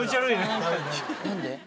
何で？